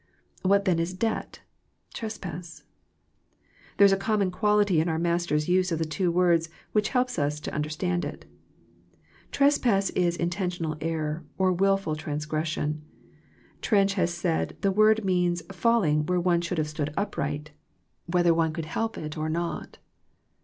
What then is debt, trespass? There is a common quality in our Master's use of the two words which helps us to understand it. Trespass is intentional error, or willful transgres sion. Trench has said the word means falling where one should have stood upright, whether 98 THE PEACTICE OF PEAYEE one could help it or not.